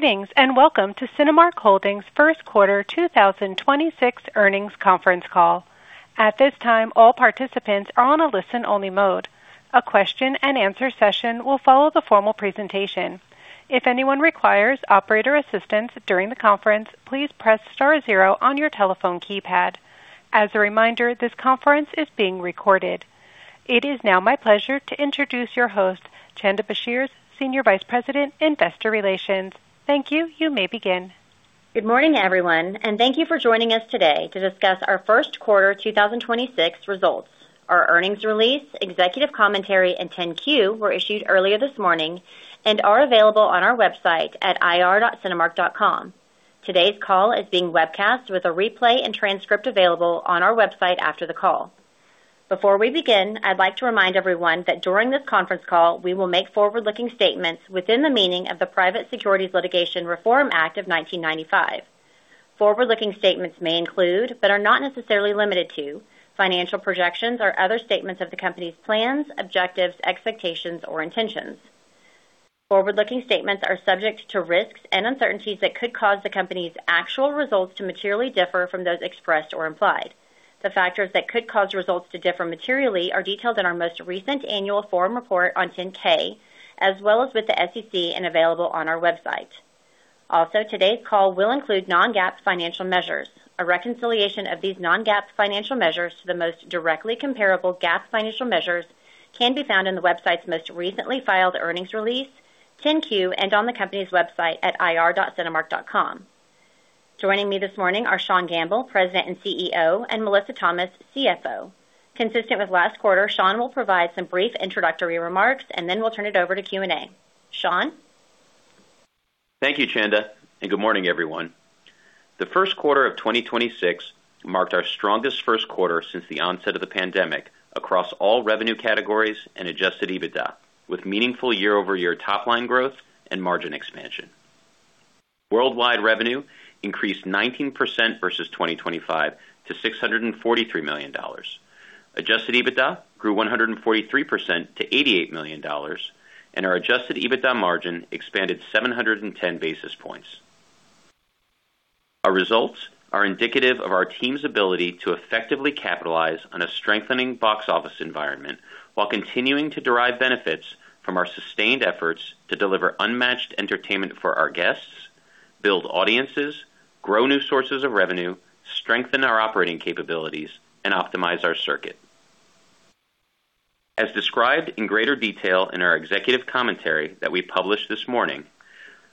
Greetings, and welcome to Cinemark Holdings Q1 2026 earnings conference call. At this time, all participants are on a listen-only mode. A question-and-answer session will follow the formal presentation. If anyone requires operator assistance during the conference, please press star zero on your telephone keypad. As a reminder, this conference is being recorded. It is now my pleasure to introduce your host, Chanda Brashears, Senior Vice President, Investor Relations. Thank you. You may begin. Good morning, everyone, and thank you for joining us today to discuss our first quarter 2026 results. Our earnings release, executive commentary, and 10-Q were issued earlier this morning and are available on our website at ir.cinemark.com. Today's call is being webcast with a replay and transcript available on our website after the call. Before we begin, I'd like to remind everyone that during this conference call, we will make forward-looking statements within the meaning of the Private Securities Litigation Reform Act of 1995. Forward-looking statements may include, but are not necessarily limited to, financial projections or other statements of the company's plans, objectives, expectations, or intentions. Forward-looking statements are subject to risks and uncertainties that could cause the company's actual results to materially differ from those expressed or implied. The factors that could cause results to differ materially are detailed in our most recent annual form report on 10-K, as well as with the SEC and available on our website. Today's call will include non-GAAP financial measures. A reconciliation of these non-GAAP financial measures to the most directly comparable GAAP financial measures can be found in the website's most recently filed earnings release, 10-Q, and on the company's website at ir.cinemark.com. Joining me this morning are Sean Gamble, President and CEO, and Melissa Thomas, CFO. Consistent with last quarter, Sean will provide some brief introductory remarks, and then we'll turn it over to Q&A. Sean? Thank you, Chanda, and good morning, everyone. The first quarter of 2026 marked our strongest first quarter since the onset of the pandemic across all revenue categories and adjusted EBITDA, with meaningful year-over-year top-line growth and margin expansion. Worldwide revenue increased 19% versus 2025 to $643 million. Adjusted EBITDA grew 143% to $88 million, and our adjusted EBITDA margin expanded 710 basis points. Our results are indicative of our team's ability to effectively capitalize on a strengthening box office environment while continuing to derive benefits from our sustained efforts to deliver unmatched entertainment for our guests, build audiences, grow new sources of revenue, strengthen our operating capabilities, and optimize our circuit. As described in greater detail in our executive commentary that we published this morning,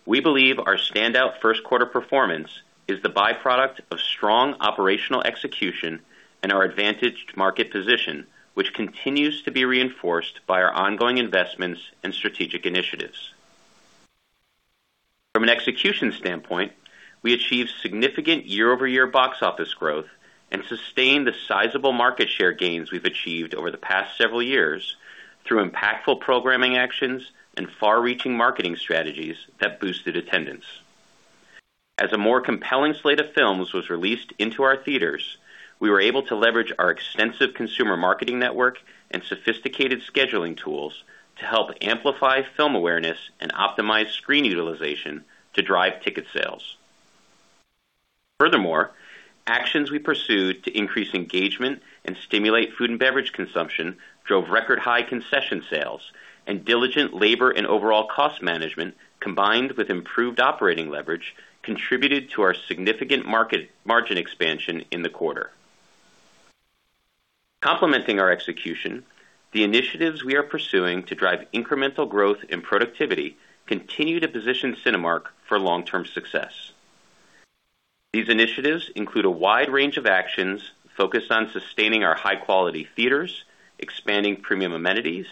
we believe our standout first quarter performance is the byproduct of strong operational execution and our advantaged market position, which continues to be reinforced by our ongoing investments and strategic initiatives. From an execution standpoint, we achieved significant year-over-year box office growth and sustained the sizable market share gains we've achieved over the past several years through impactful programming actions and far-reaching marketing strategies that boosted attendance. As a more compelling slate of films was released into our theaters, we were able to leverage our extensive consumer marketing network and sophisticated scheduling tools to help amplify film awareness and optimize screen utilization to drive ticket sales. Furthermore, actions we pursued to increase engagement and stimulate food and beverage consumption drove record-high concession sales, and diligent labor and overall cost management, combined with improved operating leverage, contributed to our significant margin expansion in the quarter. Complementing our execution, the initiatives we are pursuing to drive incremental growth and productivity continue to position Cinemark for long-term success. These initiatives include a wide range of actions focused on sustaining our high-quality theaters, expanding premium amenities,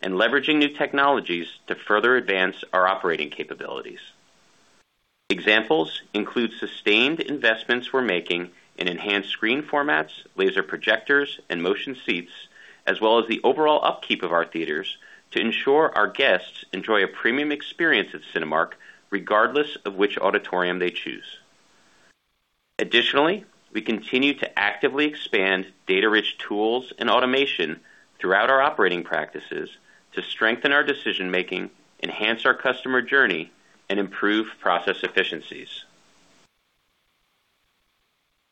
and leveraging new technologies to further advance our operating capabilities. Examples include sustained investments we're making in enhanced screen formats, laser projectors, and motion seats, as well as the overall upkeep of our theaters to ensure our guests enjoy a premium experience at Cinemark regardless of which auditorium they choose. Additionally, we continue to actively expand data-rich tools and automation throughout our operating practices to strengthen our decision-making, enhance our customer journey, and improve process efficiencies.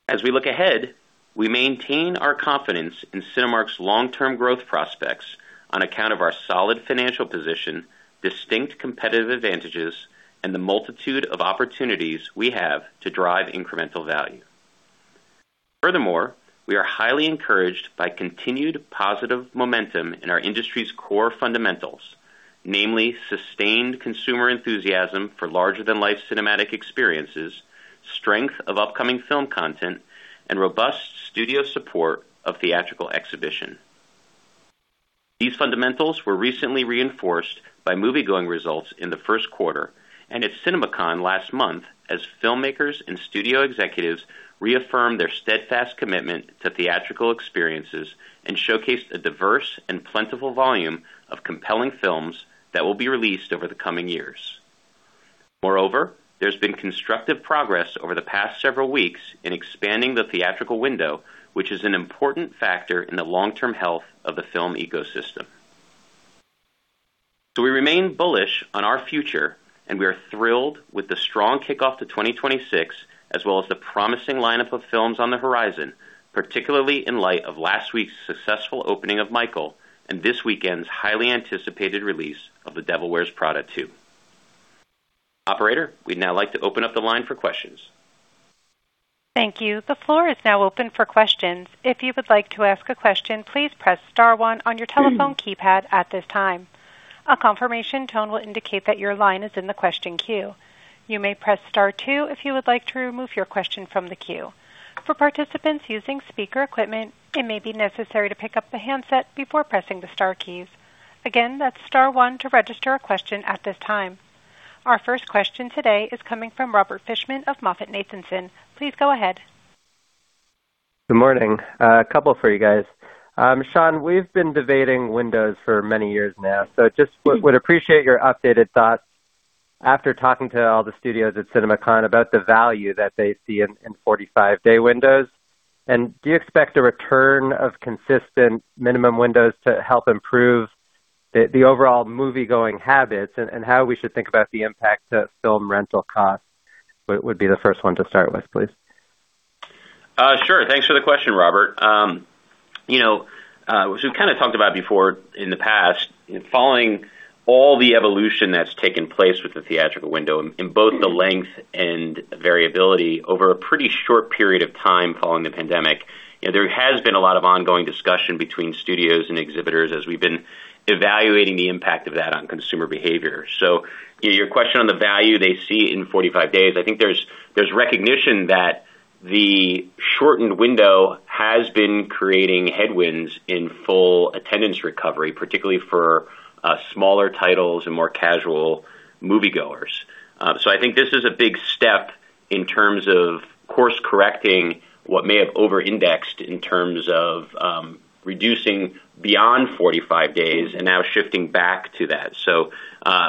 As we look ahead, we maintain our confidence in Cinemark's long-term growth prospects on account of our solid financial position, distinct competitive advantages, and the multitude of opportunities we have to drive incremental value. Furthermore, we are highly encouraged by continued positive momentum in our industry's core fundamentals, namely sustained consumer enthusiasm for larger-than-life cinematic experiences, strength of upcoming film content, and robust studio support of theatrical exhibition. These fundamentals were recently reinforced by moviegoing results in the first quarter and at CinemaCon last month, as filmmakers and studio executives reaffirmed their steadfast commitment to theatrical experiences and showcased a diverse and plentiful volume of compelling films that will be released over the coming years. Moreover, there's been constructive progress over the past several weeks in expanding the theatrical window, which is an important factor in the long-term health of the film ecosystem. We remain bullish on our future, and we are thrilled with the strong kickoff to 2026 as well as the promising lineup of films on the horizon, particularly in light of last week's successful opening of Michael and this weekend's highly anticipated release of The Devil Wears Prada 2. Operator, we'd now like to open up the line for questions. Thank you. The floor is now open for questions. If you would like to ask a question, please press star one on your telephone keypad at this time. A confirmation tone will indicate that your line is in the question queue. You may press star two if you would like to remove your question from the queue. For participants using speaker equipment, it may be necessary to pick up the handset before pressing the star keys. Again, that's star one to register a question at this time. Our first question today is coming from Robert Fishman of MoffettNathanson. Please go ahead. Good morning. A couple for you guys. Sean, we've been debating windows for many years now, so just would appreciate your updated thoughts after talking to all the studios at CinemaCon about the value that they see in 45-day windows. Do you expect a return of consistent minimum windows to help improve the overall moviegoing habits and how we should think about the impact to film rental costs would be the first one to start with, please? Sure. Thanks for the question, Robert. You know, as we've kind of talked about before in the past, following all the evolution that's taken place with the theatrical window in both the length and variability over a pretty short period of time following the pandemic, you know, there has been a lot of ongoing discussion between studios and exhibitors as we've been evaluating the impact of that on consumer behavior. Your question on the value they see in 45 days, I think there's recognition that the shortened window has been creating headwinds in full attendance recovery, particularly for smaller titles and more casual moviegoers. I think this is a big step in terms of course-correcting what may have over-indexed in terms of reducing beyond 45 days and now shifting back to that.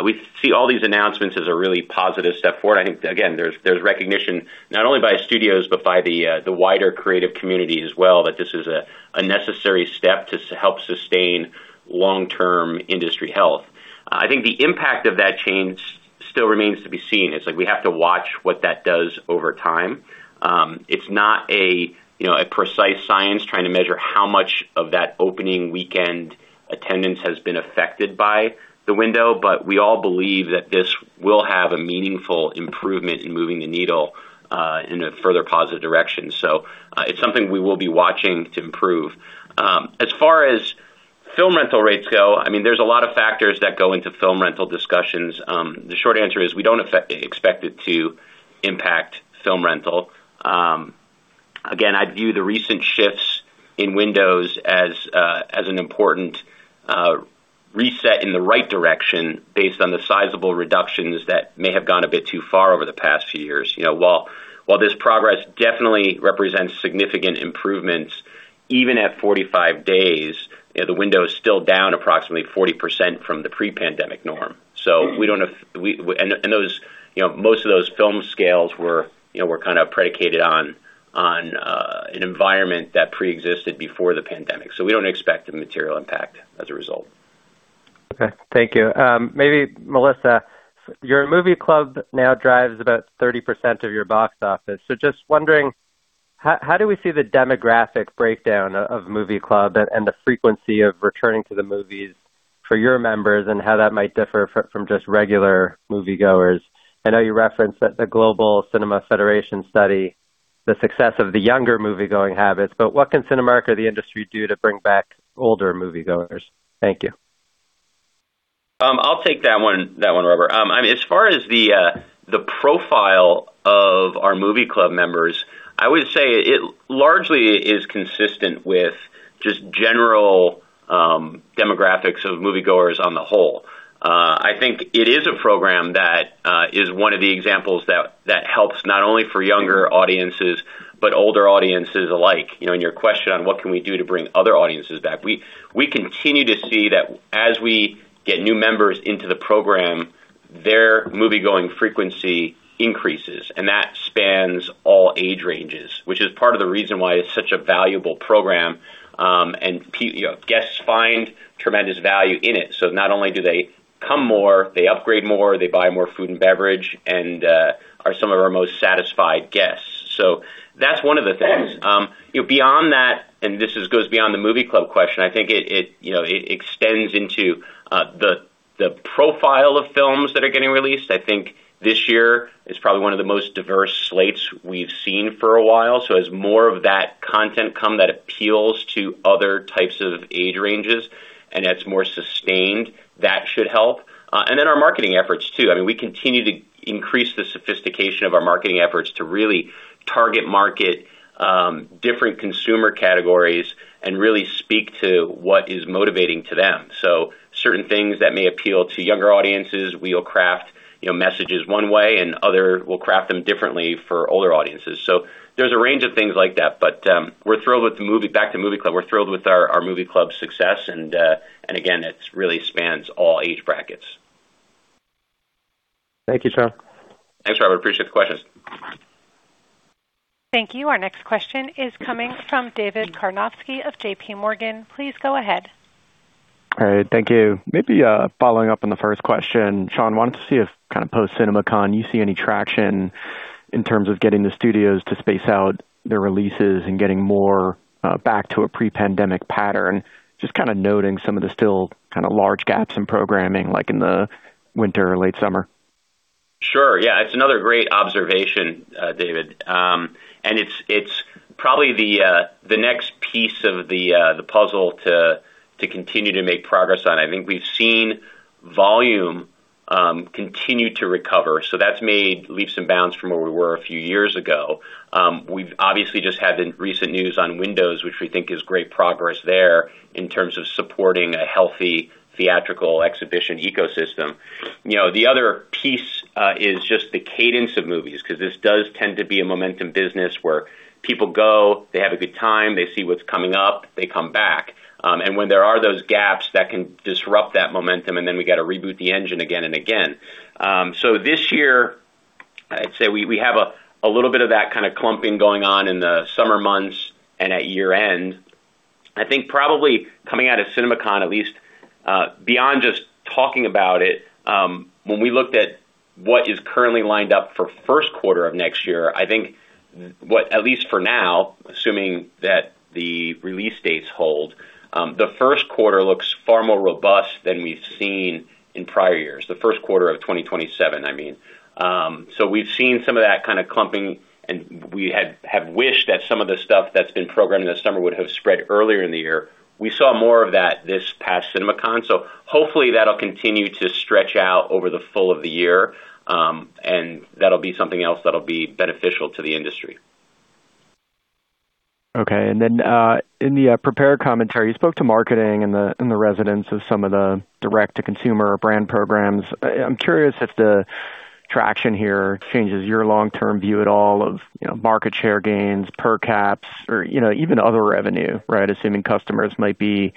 We see all these announcements as a really positive step forward. I think, again, there's recognition not only by studios but by the wider creative community as well, that this is a necessary step to help sustain long-term industry health. I think the impact of that change still remains to be seen. It's like we have to watch what that does over time. It's not a, you know, a precise science trying to measure how much of that opening weekend attendance has been affected by the window, but we all believe that this will have a meaningful improvement in moving the needle in a further positive direction. It's something we will be watching to improve. As far as film rental rates go, I mean, there's a lot of factors that go into film rental discussions. The short answer is we don't expect it to impact film rental. Again, I view the recent shifts in windows as an important reset in the right direction based on the sizable reductions that may have gone a bit too far over the past few years. You know, while this progress definitely represents significant improvements, even at 45 days, you know, the window is still down approximately 40% from the pre-pandemic norm. And, and those, you know, most of those film scales were, you know, were kind of predicated on an environment that preexisted before the pandemic. We don't expect a material impact as a result. Okay. Thank you. Maybe Melissa, your Movie Club now drives about 30% of your box office. Just wondering, how do we see the demographic breakdown of Movie Club and the frequency of returning to the movies for your members and how that might differ from just regular moviegoers? I know you referenced that the Global Cinema Federation study the success of the younger moviegoing habits, what can Cinemark or the industry do to bring back older moviegoers? Thank you. I'll take that one, Robert. I mean, as far as the profile of our Movie Club members, I would say it largely is consistent with just general demographics of moviegoers on the whole. I think it is a program that is one of the examples that helps not only for younger audiences but older audiences alike. You know, your question on what can we do to bring other audiences back, we continue to see that as we get new members into the program, their moviegoing frequency increases, and that spans all age ranges, which is part of the reason why it's such a valuable program. And you know, guests find tremendous value in it. Not only do they come more, they upgrade more, they buy more food and beverage, and are some of our most satisfied guests. That's one of the things. You know, beyond that, and this goes beyond the Movie Club question, I think it, you know, it extends into the profile of films that are getting released. I think this year is probably one of the most diverse slates we've seen for a while. As more of that content come that appeals to other types of age ranges and that's more sustained, that should help. Our marketing efforts too. I mean, we continue to increase the sophistication of our marketing efforts to really target market different consumer categories and really speak to what is motivating to them. Certain things that may appeal to younger audiences, we'll craft, you know, messages one way and we'll craft them differently for older audiences. There's a range of things like that, but we're thrilled with the Movie Club. We're thrilled with our Movie Club success, and again, it really spans all age brackets. Thank you, Sean. Thanks, Robert. Appreciate the questions. Thank you. Our next question is coming from David Karnovsky of JPMorgan. Please go ahead. All right. Thank you. Maybe, following up on the first question, Sean, wanted to see if kind of post CinemaCon, you see any traction in terms of getting the studios to space out their releases and getting more back to a pre-pandemic pattern. Just kind of noting some of the still kind of large gaps in programming, like in the winter or late summer. Sure. Yeah. It's another great observation, David. It's, it's probably the next piece of the puzzle to continue to make progress on. I think we've seen volume continue to recover, so that's made leaps and bounds from where we were a few years ago. We've obviously just had the recent news on Windows, which we think is great progress there in terms of supporting a healthy theatrical exhibition ecosystem. You know, the other piece is just the cadence of movies, 'cause this does tend to be a momentum business where people go, they have a good time, they see what's coming up, they come back. When there are those gaps that can disrupt that momentum, and then we got to reboot the engine again and again. This year, I'd say we have a little bit of that kind of clumping going on in the summer months and at year-end. I think probably coming out of CinemaCon at least, beyond just talking about it, when we looked at what is currently lined up for first quarter of next year, I think what, at least for now, assuming that the release dates hold, the first quarter looks far more robust than we've seen in prior years, the first quarter of 2027, I mean. We've seen some of that kind of clumping, and we have wished that some of the stuff that's been programmed this summer would have spread earlier in the year. We saw more of that this past CinemaCon, so hopefully that'll continue to stretch out over the full of the year, and that'll be something else that'll be beneficial to the industry. Okay. In the prepared commentary, you spoke to marketing and the residents of some of the direct-to-consumer brand programs. I'm curious if the traction here changes your long-term view at all of, you know, market share gains, per caps or, you know, even other revenue, right? Assuming customers might be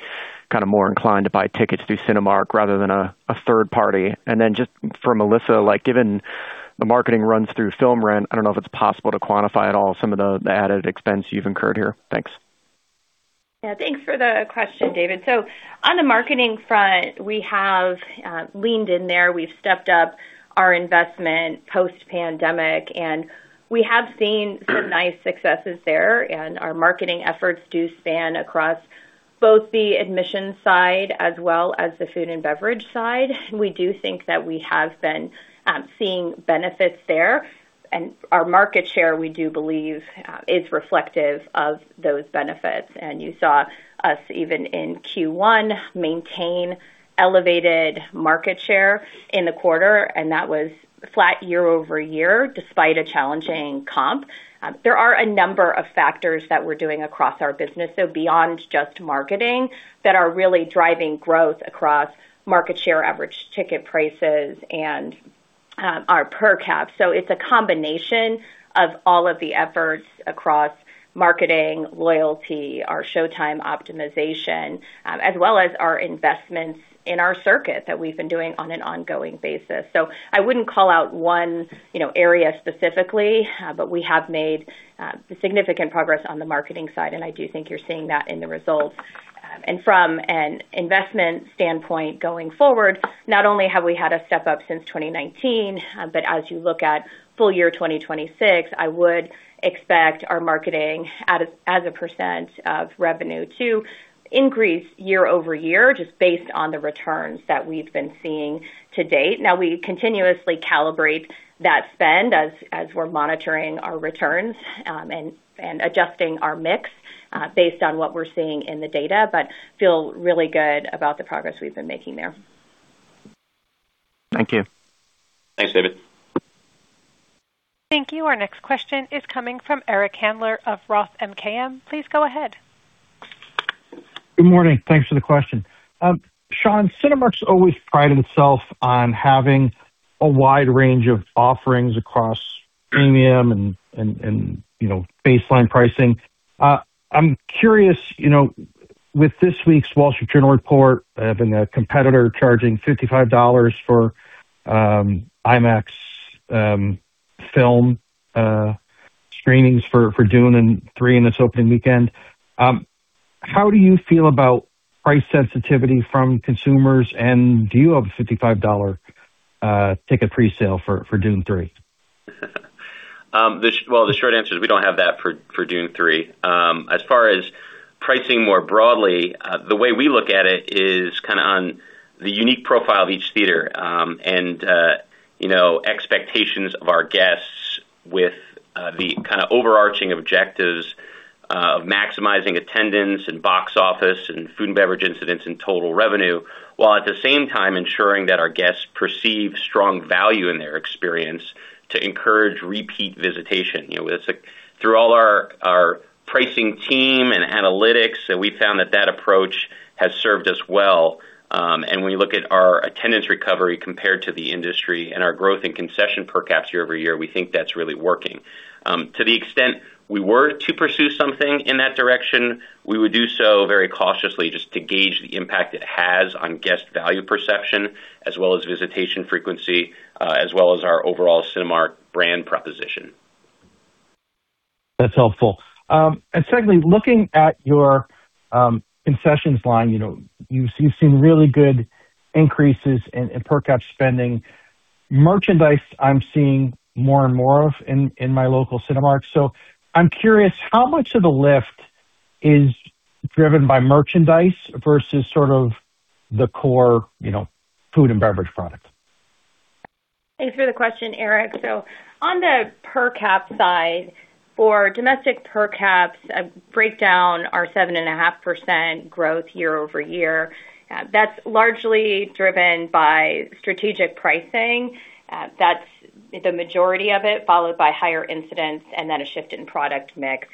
kind of more inclined to buy tickets through Cinemark rather than a third party. Just for Melissa, like, given the marketing runs through film rent, I don't know if it's possible to quantify at all some of the added expense you've incurred here. Thanks. Thanks for the question, David. On the marketing front, we have leaned in there. We've stepped up our investment post-pandemic, and we have seen some nice successes there, and our marketing efforts do span across both the admission side as well as the food and beverage side. We do think that we have been seeing benefits there, and our market share, we do believe, is reflective of those benefits. You saw us even in Q1 maintain elevated market share in the quarter, and that was flat year-over-year despite a challenging comp. There are a number of factors that we're doing across our business, so beyond just marketing, that are really driving growth across market share, average ticket prices and our per cap. It's a combination of all of the efforts across marketing, loyalty, our showtime optimization, as well as our investments in our circuit that we've been doing on an ongoing basis. I wouldn't call out 1, you know, area specifically, but we have made significant progress on the marketing side, and I do think you're seeing that in the results. From an investment standpoint going forward, not only have we had a step up since 2019, but as you look at full year 2026, I would expect our marketing as a % of revenue to increase year-over-year just based on the returns that we've been seeing to date. We continuously calibrate that spend as we're monitoring our returns, and adjusting our mix, based on what we're seeing in the data, but feel really good about the progress we've been making there. Thank you. Thanks, David. Thank you. Our next question is coming from Eric Handler of Roth MKM. Please go ahead. Good morning. Thanks for the question. Sean, Cinemark's always prided itself on having a wide range of offerings across premium and, you know, baseline pricing. I'm curious, you know, with this week's Wall Street Journal report, having a competitor charging $55 for IMAX film screenings for Dune 3 in its opening weekend, how do you feel about price sensitivity from consumers, and do you have a $55 ticket presale for Dune 3? Well, the short answer is we don't have that for Dune 3. As far as pricing more broadly, the way we look at it is kinda on the unique profile of each theater, and, you know, expectations of our guests with the kind of overarching objectives of maximizing attendance and box office and food and beverage incidents and total revenue, while at the same time ensuring that our guests perceive strong value in their experience to encourage repeat visitation. You know, through all our pricing team and analytics, we found that that approach has served us well. When you look at our attendance recovery compared to the industry and our growth in concession per caps year-over-year, we think that's really working. To the extent we were to pursue something in that direction, we would do so very cautiously just to gauge the impact it has on guest value perception, as well as visitation frequency, as well as our overall Cinemark brand proposition. That's helpful. Secondly, looking at your concessions line, you know, you've seen really good increases in per cap spending. Merchandise, I'm seeing more and more of in my local Cinemark. I'm curious how much of the lift is driven by merchandise versus sort of the core, you know, food and beverage product? Thanks for the question, Eric. On the per cap side, for domestic per caps, breakdown are 7.5% growth year-over-year. That's largely driven by strategic pricing. That's the majority of it, followed by higher incidents and then a shift in product mix.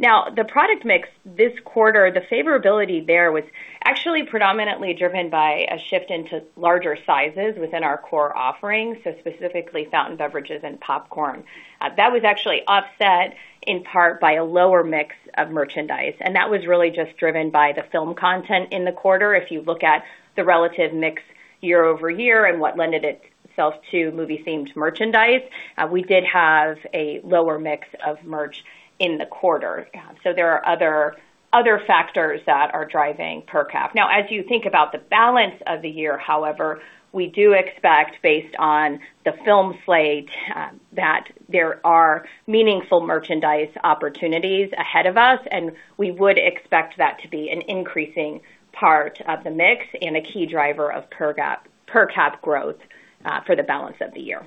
The product mix this quarter, the favorability there was actually predominantly driven by a shift into larger sizes within our core offerings, so specifically fountain beverages and popcorn. That was actually offset in part by a lower mix of merchandise, and that was really just driven by the film content in the quarter. If you look at the relative mix year-over-year and what lended itself to movie-themed merchandise, we did have a lower mix of merch in the quarter. There are other factors that are driving per cap. Now, as you think about the balance of the year, however, we do expect based on the film slate, that there are meaningful merchandise opportunities ahead of us, and we would expect that to be an increasing part of the mix and a key driver of per cap growth for the balance of the year.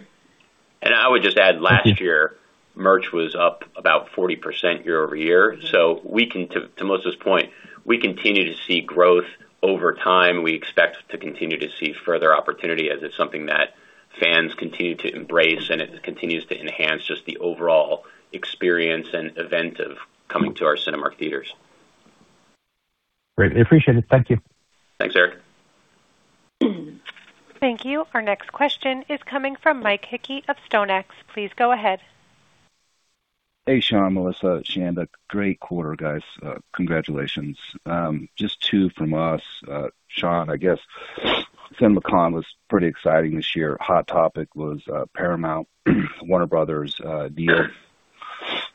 I would just add, last year, merch was up about 40% year-over-year. To Melissa's point, we continue to see growth over time. We expect to continue to see further opportunity as it's something that fans continue to embrace, and it continues to enhance just the overall experience and event of coming to our Cinemark theaters. Great. I appreciate it. Thank you. Thanks, Eric. Thank you. Our next question is coming from Mike Hickey of StoneX. Please go ahead. Hey, Sean, Melissa, Chanda. Great quarter, guys. Congratulations. Just two from us. Sean, I guess CinemaCon was pretty exciting this year. Hot Topic was Paramount, Warner Bros.' deal.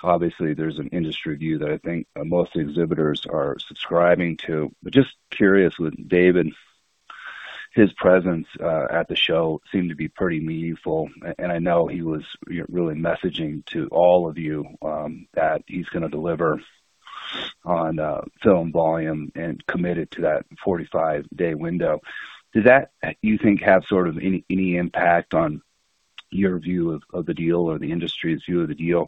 Obviously, there's an industry view that I think most exhibitors are subscribing to. Just curious with David, his presence at the show seemed to be pretty meaningful, and I know he was, you know, really messaging to all of you, that he's gonna deliver on film volume and committed to that 45-day window. Does that, you think have sort of any impact on your view of the deal or the industry's view of the deal?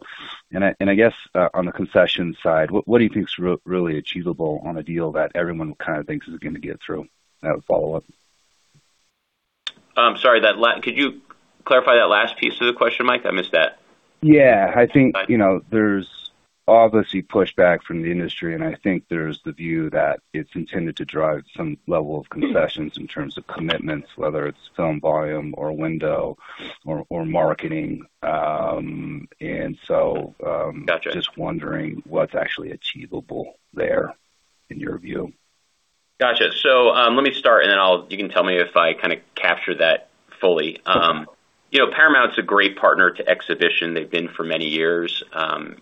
I guess on the concession side, what do you think is really achievable on a deal that everyone kind of thinks is gonna get through? I have a follow-up. Sorry, could you clarify that last piece of the question, Mike? I missed that. Yeah. Okay... you know, there's obviously pushback from the industry, and I think there's the view that it's intended to drive some level of concessions in terms of commitments, whether it's film volume or window or marketing. Gotcha just wondering what's actually achievable there in your view? Gotcha. Let me start and then I'll you can tell me if I kind of capture that fully. You know, Paramount's a great partner to exhibition. They've been for many years.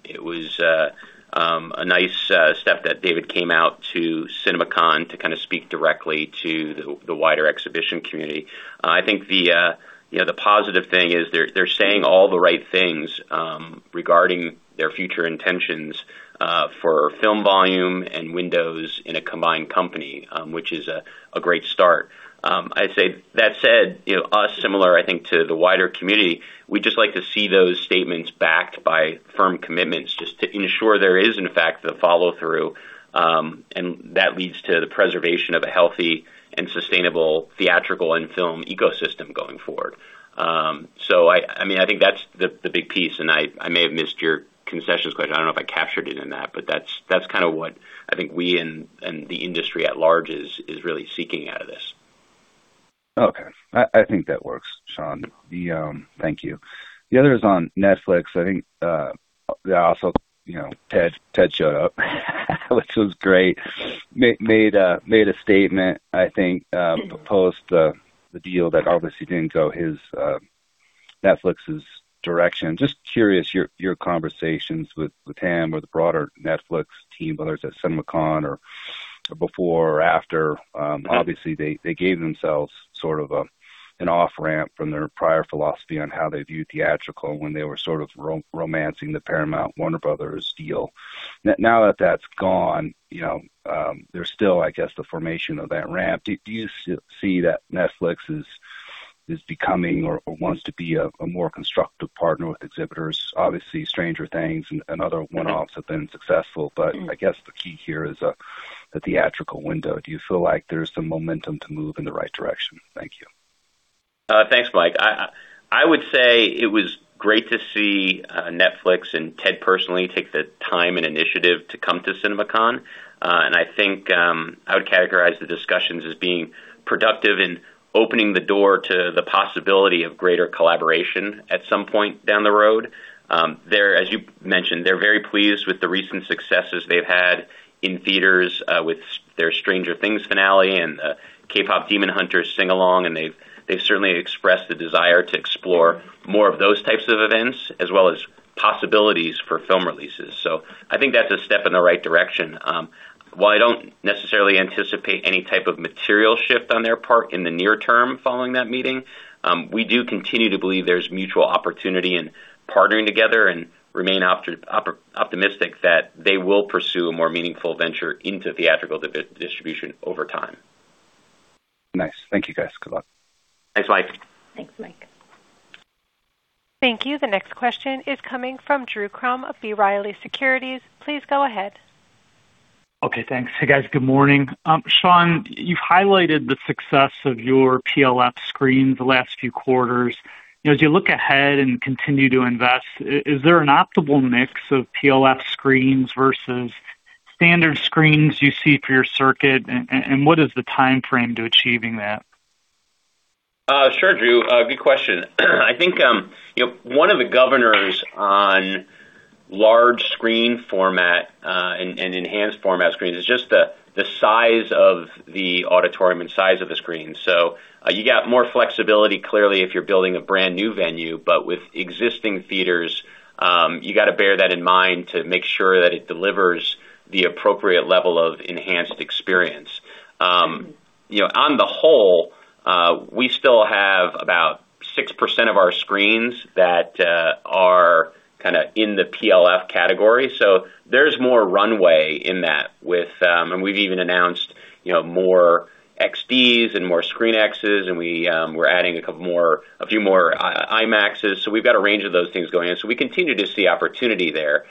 It was a nice step that David came out to CinemaCon to kind of speak directly to the wider exhibition community. I think the, you know, the positive thing is they're saying all the right things regarding their future intentions for film volume and windows in a combined company, which is a great start. I'd say that said, you know, us similar, I think, to the wider community, we just like to see those statements backed by firm commitments just to ensure there is, in fact, the follow-through, and that leads to the preservation of a healthy and sustainable theatrical and film ecosystem going forward. I mean, I think that's the big piece, and I may have missed your concessions question. I don't know if I captured it in that, but that's kind of what I think we and the industry at large is really seeking out of this. Okay. I think that works, Sean. The. Thank you. The other is on Netflix. I think, also, you know, Ted showed up, which was great. made a statement, I think, post the deal that obviously didn't go his Netflix's direction. Just curious, your conversations with him or the broader Netflix team, whether it's at CinemaCon or before or after. Yeah... obviously they gave themselves sort of a, an off-ramp from their prior philosophy on how they view theatrical when they were sort of romancing the Paramount Warner Bros. deal. Now that that's gone, you know, there's still, I guess, the formation of that ramp. Do you see that Netflix is becoming or wants to be a more constructive partner with exhibitors? Obviously, Stranger Things and other one-offs have been successful. Mm-hmm... I guess the key here is the theatrical window. Do you feel like there's some momentum to move in the right direction? Thank you. Thanks, Mike. I would say it was great to see Netflix and Ted personally take the time and initiative to come to CinemaCon. I think I would characterize the discussions as being productive in opening the door to the possibility of greater collaboration at some point down the road. As you mentioned, they're very pleased with the recent successes they've had in theaters, with their Stranger Things finale and KPop Demon Hunters Sing-Along, and they've certainly expressed the desire to explore more of those types of events as well as possibilities for film releases. I think that's a step in the right direction. While I don't necessarily anticipate any type of material shift on their part in the near term following that meeting, we do continue to believe there's mutual opportunity in partnering together and remain optimistic that they will pursue a more meaningful venture into theatrical distribution over time. Nice. Thank you, guys. Good luck. Thanks, Mike. Thanks, Mike. Thank you. The next question is coming from Drew Crum of B. Riley Securities. Please go ahead. Okay, thanks. Hey, guys. Good morning. Sean, you've highlighted the success of your PLF screen the last few quarters. You know, as you look ahead and continue to invest, is there an optimal mix of PLF screens versus standard screens you see for your circuit? What is the timeframe to achieving that? Sure, Drew. Good question. I think, you know, one of the governors on large screen format and enhanced format screens is just the size of the auditorium and size of the screen. You got more flexibility clearly if you're building a brand-new venue, but with existing theaters, you gotta bear that in mind to make sure that it delivers the appropriate level of enhanced experience. You know, on the whole, we still have about 6% of our screens that are kinda in the PLF category. There's more runway in that with. We've even announced, you know, more XDs and more ScreenXs, and we're adding a couple more, a few more, IMAXs. We've got a range of those things going in. We continue to see opportunity there.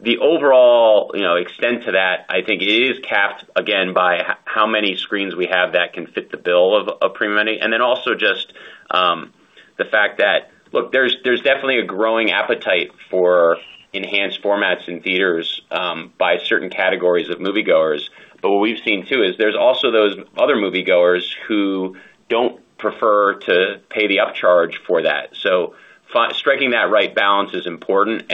The overall, you know, extent to that, I think it is capped again by how many screens we have that can fit the bill of premium large-format. The fact that there's definitely a growing appetite for enhanced formats in theaters by certain categories of moviegoers. What we've seen too is there's also those other moviegoers who don't prefer to pay the upcharge for that. Striking that right balance is important.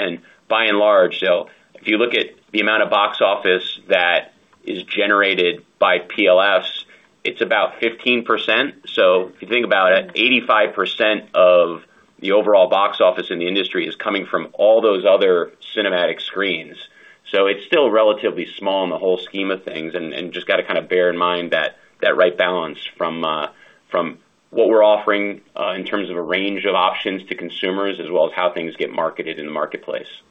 By and large, if you look at the amount of box office that is generated by PLFs, it's about 15%. If you think about it, 85% of the overall box office in the industry is coming from all those other cinematic screens. It's still relatively small in the whole scheme of things and just gotta kinda bear in mind that right balance from what we're offering in terms of a range of options to consumers as well as how things get marketed in the marketplace.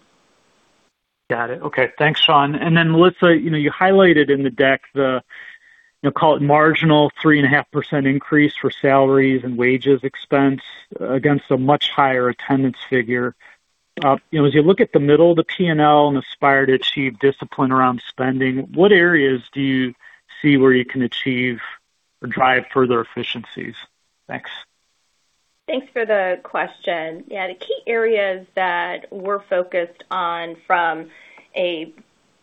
Got it. Okay. Thanks, Sean. Melissa, you know, you highlighted in the deck the, you know, call it marginal 3.5% increase for salaries and wages expense against a much higher attendance figure. You know, as you look at the middle of the P&L and aspire to achieve discipline around spending, what areas do you see where you can achieve or drive further efficiencies? Thanks. Thanks for the question. The key areas that we're focused on from a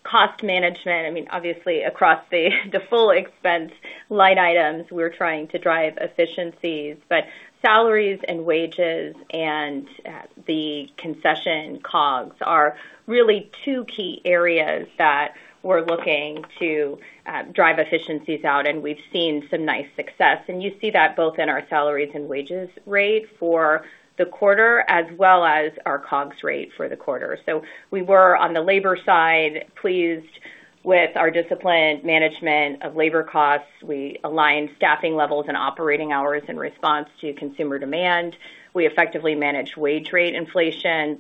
cost management, obviously across the full expense line items, we're trying to drive efficiencies. Salaries and wages and the concession COGS are really two key areas that we're looking to drive efficiencies out, and we've seen some nice success. You see that both in our salaries and wages rate for the quarter as well as our COGS rate for the quarter. We were, on the labor side, pleased with our disciplined management of labor costs. We aligned staffing levels and operating hours in response to consumer demand. We effectively managed wage rate inflation,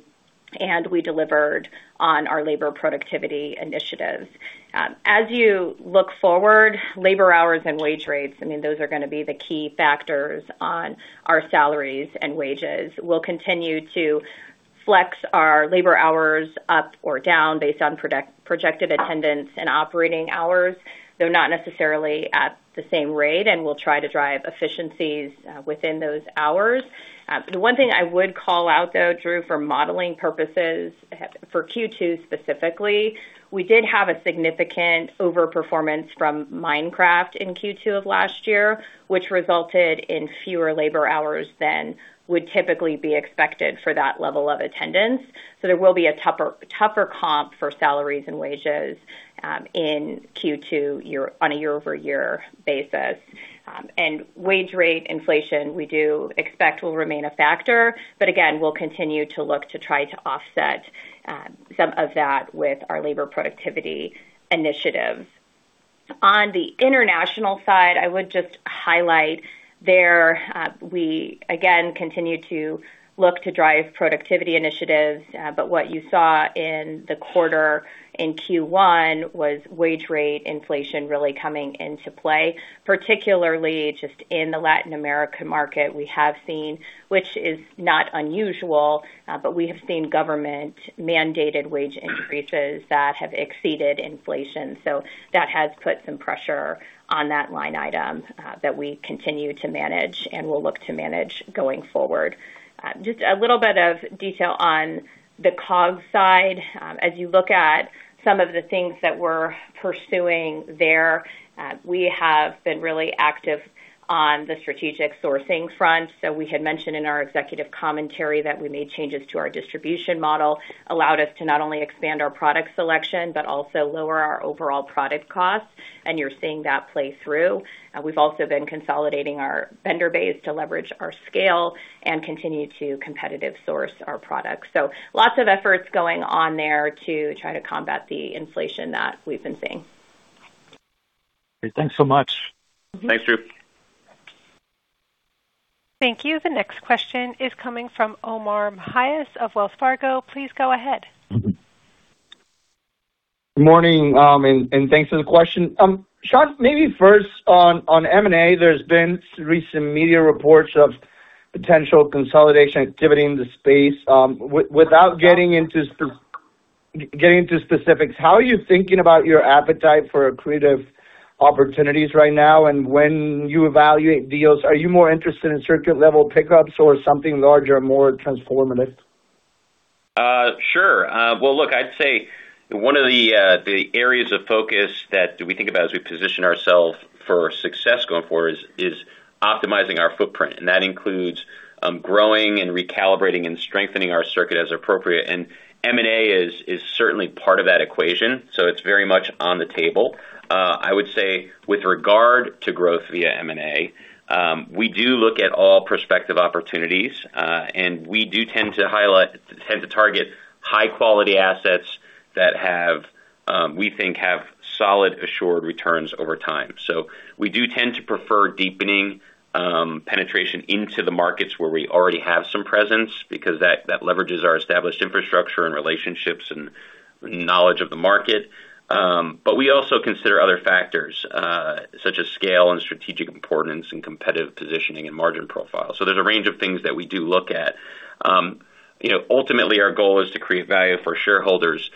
and we delivered on our labor productivity initiatives. As you look forward, labor hours and wage rates, those are gonna be the key factors on our salaries and wages. We'll continue to flex our labor hours up or down based on project-projected attendance and operating hours, though not necessarily at the same rate, and we'll try to drive efficiencies within those hours. The one thing I would call out though, Drew, for modeling purposes, for Q2 specifically, we did have a significant overperformance from Minecraft in Q2 of last year, which resulted in fewer labor hours than would typically be expected for that level of attendance. There will be a tougher comp for salaries and wages in Q2 year, on a year-over-year basis. Wage rate inflation, we do expect will remain a factor, but again, we'll continue to look to try to offset some of that with our labor productivity initiatives. On the international side, I would just highlight there, we again continue to look to drive productivity initiatives. What you saw in the quarter in Q1 was wage rate inflation really coming into play, particularly just in the Latin America market. We have seen, which is not unusual, we have seen government-mandated wage increases that have exceeded inflation. That has put some pressure on that line item that we continue to manage and will look to manage going forward. Just a little bit of detail on the COGS side. As you look at some of the things that we're pursuing there, we have been really active on the strategic sourcing front. We had mentioned in our executive commentary that we made changes to our distribution model, allowed us to not only expand our product selection, but also lower our overall product costs, and you're seeing that play through. We've also been consolidating our vendor base to leverage our scale and continue to competitive source our products. Lots of efforts going on there to try to combat the inflation that we've been seeing. Great. Thanks so much. Thanks, Drew. Thank you. The next question is coming from Omar Mejias of Wells Fargo. Please go ahead. Good morning, and thanks for the question. Sean, maybe first on M&A, there's been recent media reports of potential consolidation activity in the space. Without getting into specifics, how are you thinking about your appetite for accretive opportunities right now? When you evaluate deals, are you more interested in circuit level pickups or something larger and more transformative? I'd say one of the areas of focus that we think about as we position ourselves for success going forward is optimizing our footprint. That includes growing and recalibrating and strengthening our circuit as appropriate. M&A is certainly part of that equation. It's very much on the table. I would say with regard to growth via M&A, we do look at all prospective opportunities, and we do tend to target high quality assets that have, we think have solid assured returns over time. We do tend to prefer deepening penetration into the markets where we already have some presence because that leverages our established infrastructure and relationships and knowledge of the market. We also consider other factors, such as scale and strategic importance and competitive positioning and margin profile. There's a range of things that we do look at. You know, ultimately, our goal is to create value for shareholders.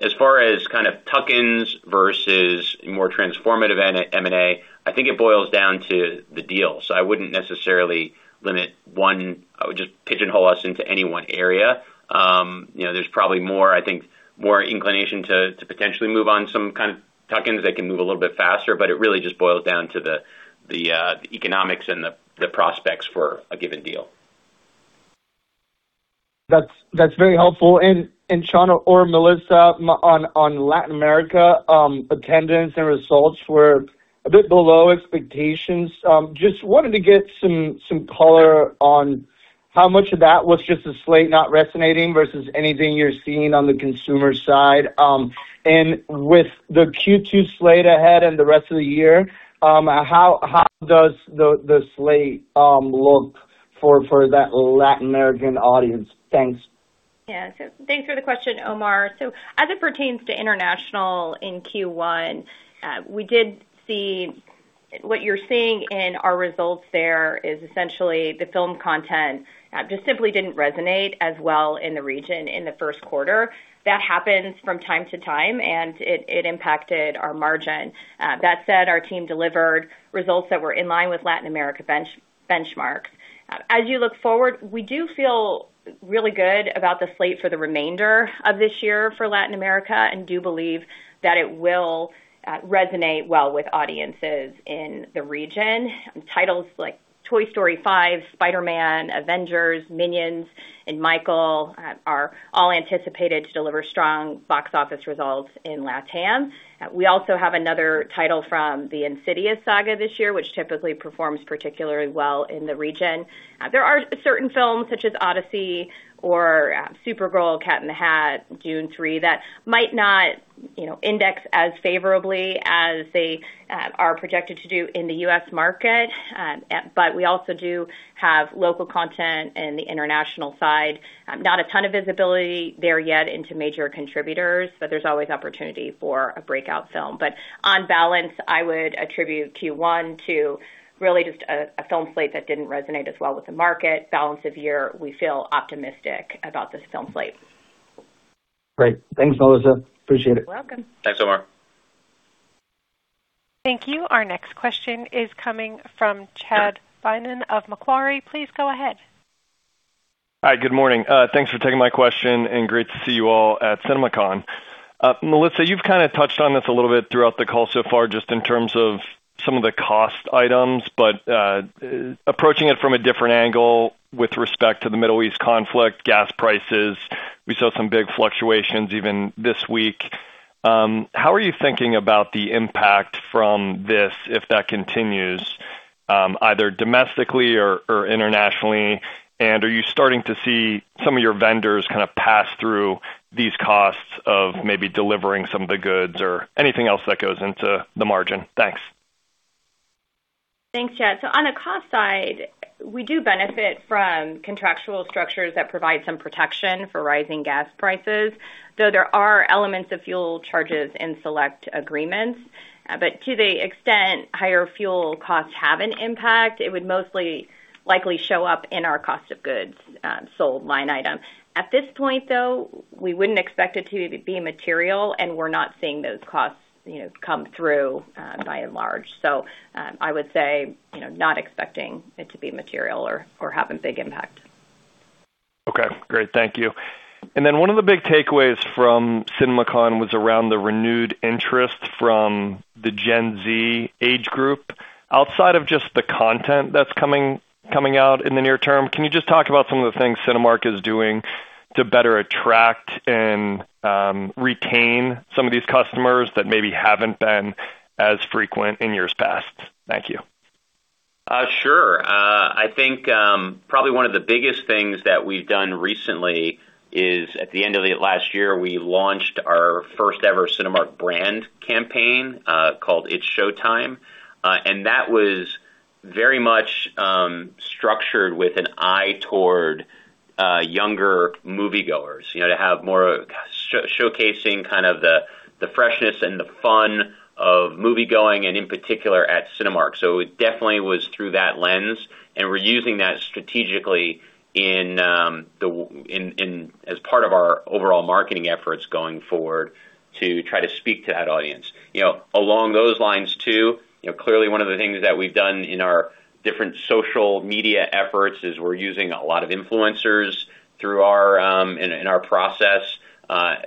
As far as kind of tuck-ins versus more transformative M&A, I think it boils down to the deal. I would just pigeonhole us into any 1 area. You know, there's probably more, I think, more inclination to potentially move on some kind of tuck-ins that can move a little bit faster, but it really just boils down to the economics and the prospects for a given deal. That's very helpful. Sean or Melissa, on Latin America, attendance and results were a bit below expectations. Just wanted to get some color on how much of that was just the slate not resonating versus anything you're seeing on the consumer side. With the Q2 slate ahead and the rest of the year, how does the slate look for that Latin American audience? Thanks. Yeah. Thanks for the question, Omar. As it pertains to international in Q1, what you're seeing in our results there is essentially the film content just simply didn't resonate as well in the region in the first quarter. That happens from time to time, and it impacted our margin. That said, our team delivered results that were in line with Latin America benchmark. As you look forward, we do feel really good about the slate for the remainder of this year for Latin America and do believe that it will resonate well with audiences in the region. Titles like Toy Story 5, Spider-Man, Avengers, Minions, and Michael are all anticipated to deliver strong box office results in LatAm. We also have another title from the Insidious saga this year, which typically performs particularly well in the region. There are certain films such as Odyssey or Supergirl, The Cat in the Hat, Dune: Part Three, that might not, you know, index as favorably as they are projected to do in the U.S. market. We also do have local content in the international side. Not a ton of visibility there yet into major contributors, but there's always opportunity for a breakout film. On balance, I would attribute Q1 to really just a film slate that didn't resonate as well with the market. Balance of year, we feel optimistic about this film slate. Great. Thanks, Melissa. Appreciate it. You're welcome. Thanks, Omar. Thank you. Our next question is coming from Chad Beynon of Macquarie. Please go ahead. Hi, good morning. Thanks for taking my question and great to see you all at CinemaCon. Melissa, you've kinda touched on this a little bit throughout the call so far, just in terms of some of the cost items, but, approaching it from a different angle with respect to the Middle East conflict, gas prices, we saw some big fluctuations even this week. How are you thinking about the impact from this, if that continues, either domestically or internationally? Are you starting to see some of your vendors kind of pass through these costs of maybe delivering some of the goods or anything else that goes into the margin? Thanks. Thanks, Chad. On a cost side, we do benefit from contractual structures that provide some protection for rising gas prices, though there are elements of fuel charges in select agreements. To the extent higher fuel costs have an impact, it would most likely show up in our cost of goods sold line item. At this point, though, we wouldn't expect it to be material, and we're not seeing those costs, you know, come through by and large. I would say, you know, not expecting it to be material or have a big impact. Okay, great. Thank you. One of the big takeaways from CinemaCon was around the renewed interest from the Gen Z age group. Outside of just the content that's coming out in the near term, can you just talk about some of the things Cinemark is doing to better attract and retain some of these customers that maybe haven't been as frequent in years past? Thank you. Sure. I think, probably one of the biggest things that we've done recently is at the end of the last year, we launched our first ever Cinemark brand campaign, called It's Showtime. That was very much structured with an eye toward younger moviegoers, you know, to have more showcasing kind of the freshness and the fun of moviegoing, and in particular at Cinemark. It definitely was through that lens, and we're using that strategically as part of our overall marketing efforts going forward to try to speak to that audience. You know, along those lines too, you know, clearly one of the things that we've done in our different social media efforts is we're using a lot of influencers through our in our process,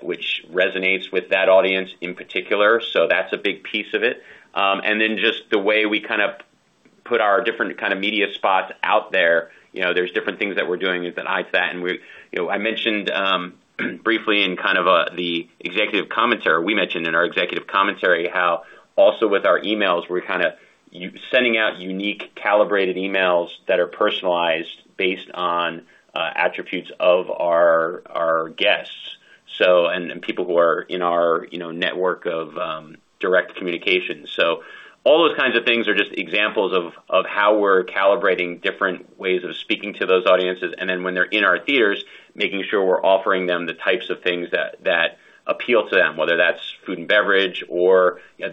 which resonates with that audience in particular. That's a big piece of it. Then just the way we kind of put our different kind of media spots out there. You know, there's different things that we're doing with an eye to that. You know, we mentioned in our executive commentary how also with our emails, we're sending out unique calibrated emails that are personalized based on attributes of our guests, and people who are in our, you know, network of direct communication. All those kinds of things are just examples of how we're calibrating different ways of speaking to those audiences, and then when they're in our theaters, making sure we're offering them the types of things that appeal to them, whether that's food and beverage.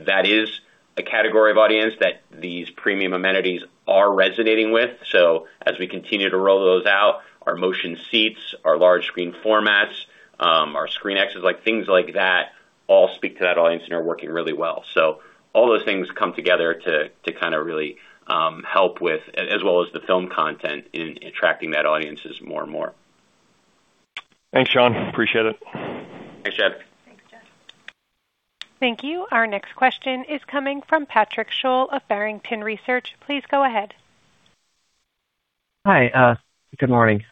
That is a category of audience that these premium amenities are resonating with. As we continue to roll those out, our motion seats, our large screen formats, our ScreenX, like things like that, all speak to that audience and are working really well. All those things come together to kinda really help with as well as the film content in attracting that audience is more and more. Thanks, Sean. Appreciate it. Thanks, Chad. Thank you. Our next question is coming from Patrick Sholl of Barrington Research. Please go ahead. Hi. Good morning.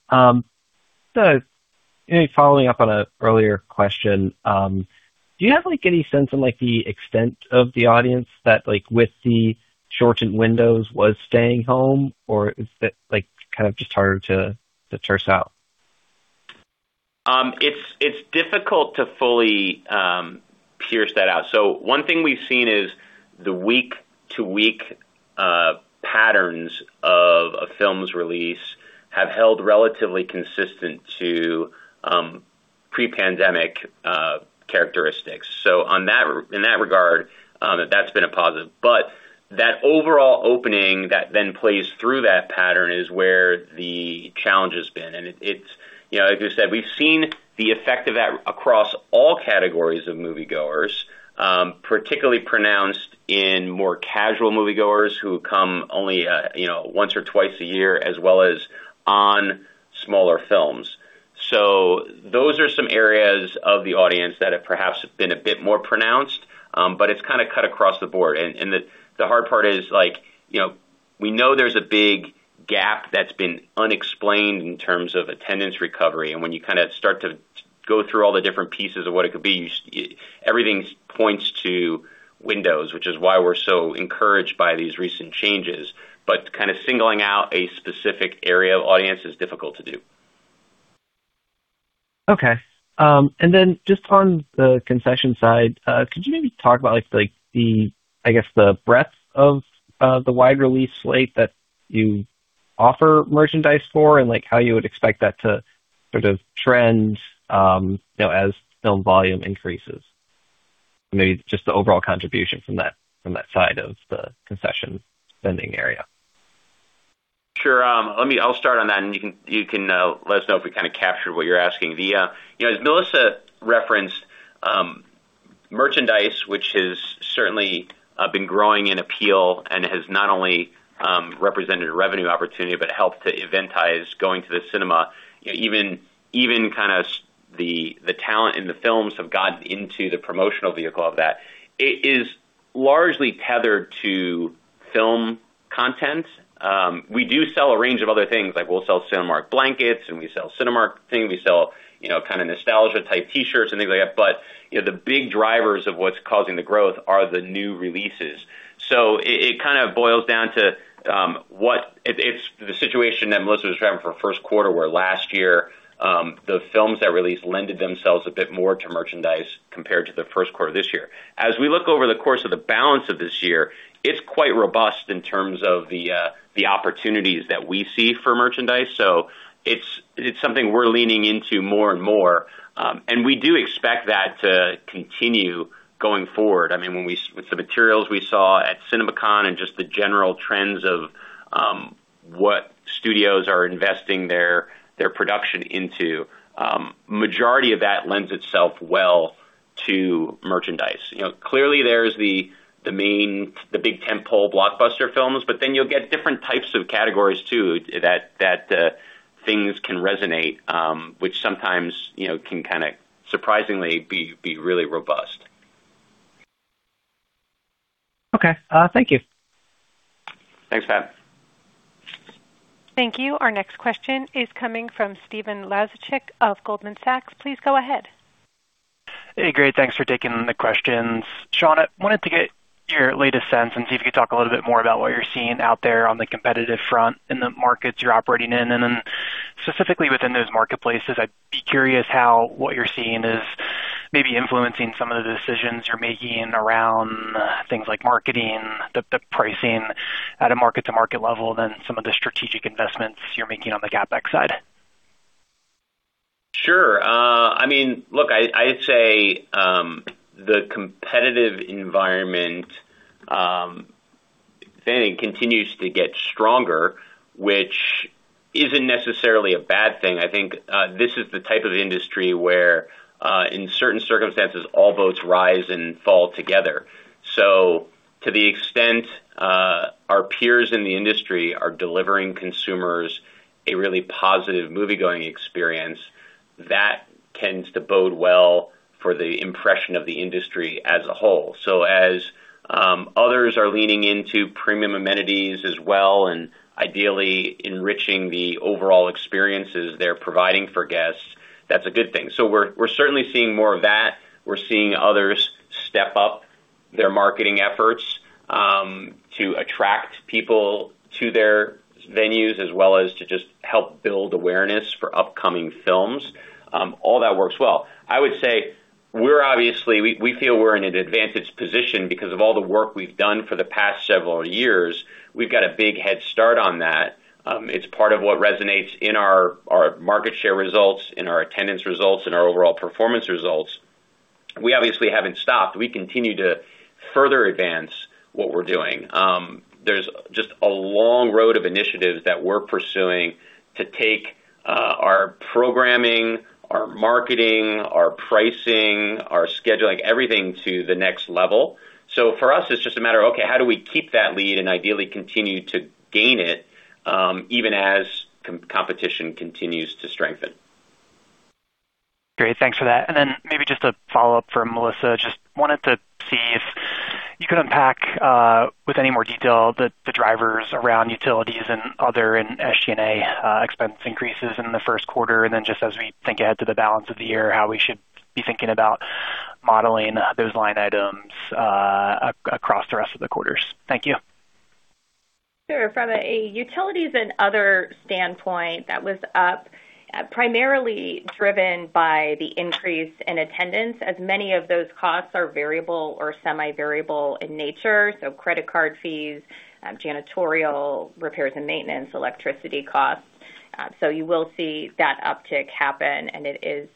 Maybe following up on an earlier question. Do you have any sense on the extent of the audience that with the shortened windows was staying home, or is that kind of just harder to tease out? It's difficult to fully pierce that out. One thing we've seen is the week-to-week patterns of a film's release have held relatively consistent to pre-pandemic characteristics. In that regard, that's been a positive. That overall opening that then plays through that pattern is where the challenge has been. It's, you know, like I said, we've seen the effect of that across all categories of moviegoers, particularly pronounced in more casual moviegoers who come only, you know, once or twice a year, as well as on smaller films. Those are some areas of the audience that have perhaps been a bit more pronounced, it's kind of cut across the board. The hard part is, like, you know, we know there's a big gap that's been unexplained in terms of attendance recovery. When you kinda start to go through all the different pieces of what it could be, everything points to windows, which is why we're so encouraged by these recent changes, but kinda singling out a specific area of audience is difficult to do. Okay. Then just on the concession side, could you maybe talk about, like the, I guess, the breadth of the wide release slate that you offer merchandise for and, like, how you would expect that to sort of trend, you know, as film volume increases? Maybe just the overall contribution from that side of the concession spending area. Sure. I'll start on that, and you can let us know if we kinda captured what you're asking. You know, as Melissa referenced, merchandise, which has certainly been growing in appeal and has not only represented a revenue opportunity but helped to eventize going to the cinema, you know, even kinda the talent and the films have gotten into the promotional vehicle of that. It is largely tethered to film content. We do sell a range of other things, like we'll sell Cinemark blankets, and we sell Cinemark things. We sell, you know, kinda nostalgia-type T-shirts and things like that. You know, the big drivers of what's causing the growth are the new releases. It kinda boils down to what. It's the situation that Melissa was describing for first quarter, where last year, the films that released lent themselves a bit more to merchandise compared to the first quarter this year. As we look over the course of the balance of this year, it's quite robust in terms of the opportunities that we see for merchandise. It's something we're leaning into more and more. We do expect that to continue going forward. I mean, when with the materials we saw at CinemaCon and just the general trends of what studios are investing their production into, majority of that lends itself well to merchandise. You know, clearly there's the main, the big tentpole blockbuster films, but then you'll get different types of categories too that things can resonate, which sometimes, you know, can kinda surprisingly be really robust. Okay. Thank you. Thanks, Pat. Thank you. Our next question is coming from Stephen Laszczyk of Goldman Sachs. Please go ahead. Hey, great. Thanks for taking the questions. Sean, I wanted to get your latest sense and see if you could talk a little bit more about what you're seeing out there on the competitive front in the markets you're operating in. Specifically within those marketplaces, I'd be curious how what you're seeing is maybe influencing some of the decisions you're making around things like marketing, the pricing at a market-to-market level than some of the strategic investments you're making on the CapEx side. Sure. I mean, look, I'd say, the competitive environment, if anything, continues to get stronger, which isn't necessarily a bad thing. I think, this is the type of industry where, in certain circumstances, all boats rise and fall together. To the extent, our peers in the industry are delivering consumers a really positive moviegoing experience, that tends to bode well for the impression of the industry as a whole. As others are leaning into premium amenities as well, and ideally enriching the overall experiences they're providing for guests, that's a good thing. We're certainly seeing more of that. We're seeing others step up their marketing efforts, to attract people to their venues, as well as to just help build awareness for upcoming films. All that works well. I would say we feel we're in an advantaged position because of all the work we've done for the past several years. We've got a big head start on that. It's part of what resonates in our market share results, in our attendance results, in our overall performance results. We obviously haven't stopped. We continue to further advance what we're doing. There's just a long road of initiatives that we're pursuing to take our programming, our marketing, our pricing, our scheduling, everything to the next level. For us, it's just a matter of, okay, how do we keep that lead and ideally continue to gain it even as competition continues to strengthen. Great. Thanks for that. Maybe just a follow-up for Melissa. Just wanted to see if you could unpack with any more detail the drivers around utilities and other and SG&A expense increases in the first quarter. Then just as we think ahead to the balance of the year, how we should be thinking about modeling those line items across the rest of the quarters. Thank you. Sure. From a utilities and other standpoint, that was up primarily driven by the increase in attendance, as many of those costs are variable or semi-variable in nature. Credit card fees, janitorial, repairs and maintenance, electricity costs. You will see that uptick happen, and it is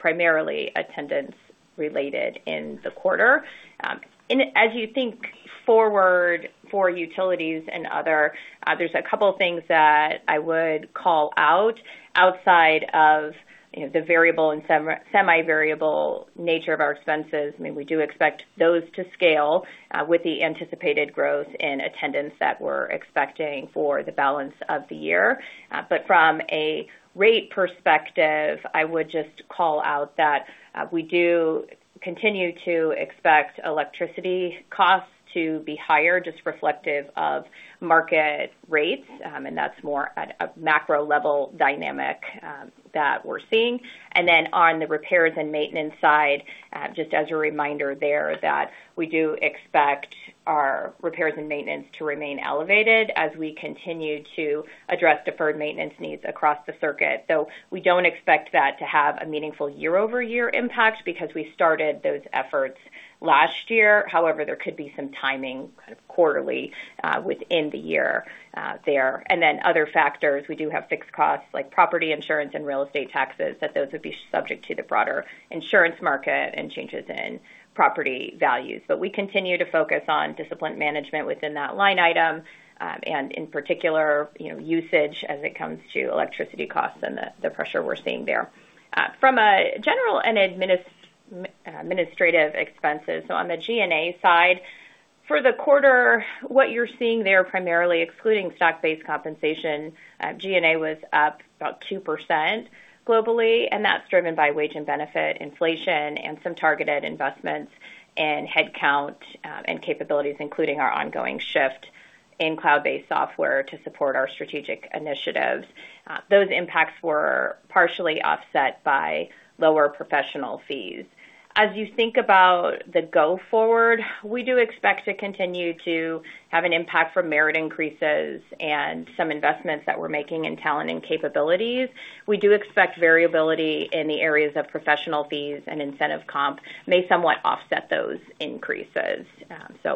primarily attendance-related in the quarter. And as you think forward for utilities and other, there's a couple of things that I would call out outside of, you know, the variable and semi-variable nature of our expenses. I mean, we do expect those to scale with the anticipated growth in attendance that we're expecting for the balance of the year. From a rate perspective, I would just call out that we do continue to expect electricity costs to be higher, just reflective of market rates. That's more at a macro level dynamic that we're seeing. On the repairs and maintenance side, just as a reminder there that we do expect our repairs and maintenance to remain elevated as we continue to address deferred maintenance needs across the circuit, though we don't expect that to have a meaningful year-over-year impact because we started those efforts last year. However, there could be some timing kind of quarterly within the year there. Other factors, we do have fixed costs like property insurance and real estate taxes, that those would be subject to the broader insurance market and changes in property values. We continue to focus on disciplined management within that line item, and in particular, you know, usage as it comes to electricity costs and the pressure we're seeing there. From a general and administrative expenses, on the G&A side, for the quarter, what you're seeing there, primarily excluding stock-based compensation, G&A was up about 2% globally, and that's driven by wage and benefit inflation and some targeted investments in headcount, and capabilities, including our ongoing shift in cloud-based software to support our strategic initiatives. Those impacts were partially offset by lower professional fees. As you think about the go forward, we do expect to continue to have an impact from merit increases and some investments that we're making in talent and capabilities. We do expect variability in the areas of professional fees and incentive comp may somewhat offset those increases.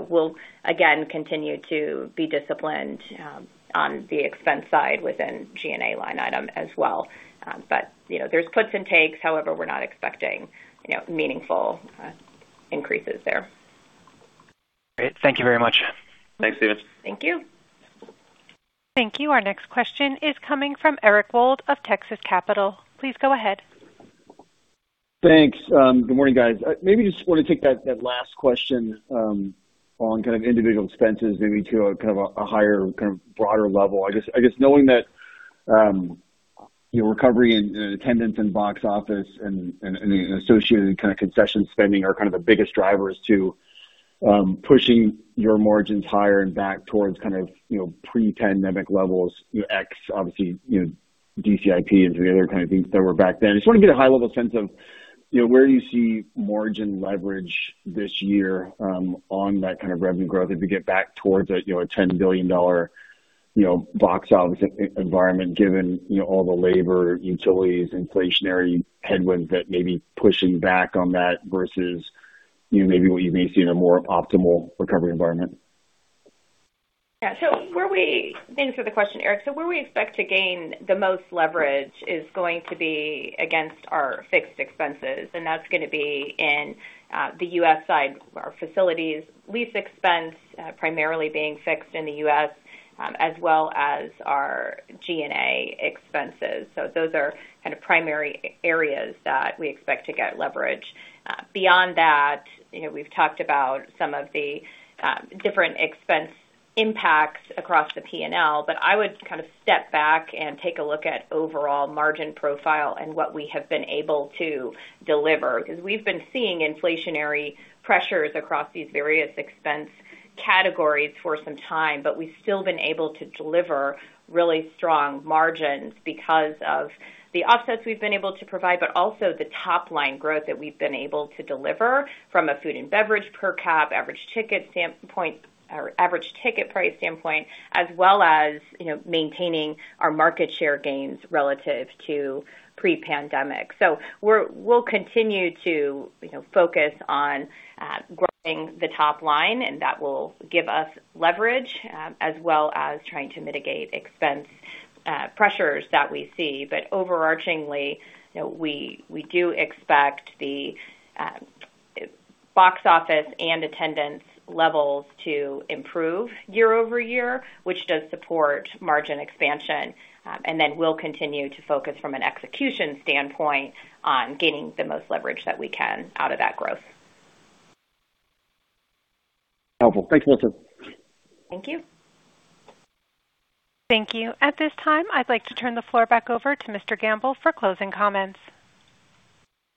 We'll again continue to be disciplined on the expense side within G&A line item as well. You know, there's puts and takes. However, we're not expecting, you know, meaningful increases there. Great. Thank you very much. Thanks, Stephen. Thank you. Thank you. Our next question is coming from Eric Wold of Texas Capital. Please go ahead. Thanks. Good morning, guys. Maybe just want to take that last question on individual expenses maybe to a higher, broader level. I guess knowing that recovery in attendance and box office and associated concession spending are the biggest drivers to pushing your margins higher and back towards pre-pandemic levels, ex obviously DCIP and the other things that were back then. Just wanna get a high-level sense of, you know, where do you see margin leverage this year on that kind of revenue growth as we get back towards a, you know, a $10 billion, you know, box office environment given, you know, all the labor, utilities, inflationary headwinds that may be pushing back on that versus, you know, maybe what you may see in a more optimal recovery environment? Thanks for the question, Eric. Where we expect to gain the most leverage is going to be against our fixed expenses. That's going to be in the U.S. side, our facilities, lease expense, primarily being fixed in the U.S., as well as our G&A expenses. Those are kind of primary areas that we expect to get leverage. Beyond that, you know, we've talked about some of the different expense impacts across the P&L, but I would kind of step back and take a look at overall margin profile and what we have been able to deliver. 'Cause we've been seeing inflationary pressures across these various expense categories for some time, but we've still been able to deliver really strong margins because of the offsets we've been able to provide, but also the top line growth that we've been able to deliver from a food and beverage per cap, average ticket standpoint, or average ticket price standpoint, as well as, you know, maintaining our market share gains relative to pre-pandemic. We'll continue to, you know, focus on growing the top line, and that will give us leverage, as well as trying to mitigate expense pressures that we see. Overarchingly, you know, we do expect the box office and attendance levels to improve year-over-year, which does support margin expansion. We'll continue to focus from an execution standpoint on gaining the most leverage that we can out of that growth. Helpful. Thank you, Melissa. Thank you. Thank you. At this time, I'd like to turn the floor back over to Mr. Gamble for closing comments.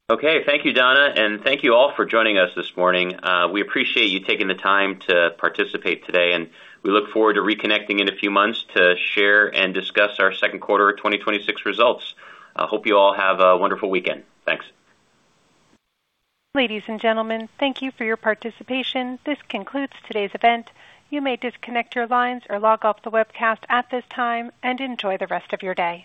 Okay. Thank you, Donna, and thank you all for joining us this morning. We appreciate you taking the time to participate today, and we look forward to reconnecting in a few months to share and discuss our second quarter of 2026 results. I hope you all have a wonderful weekend. Thanks. Ladies and gentlemen, thank you for your participation. This concludes today's event. You may disconnect your lines or log off the webcast at this time, and enjoy the rest of your day.